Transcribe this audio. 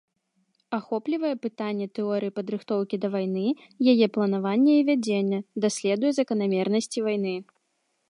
Ахоплівае пытанні тэорыі падрыхтоўкі да вайны, яе планаванне і вядзенне, даследуе заканамернасці вайны.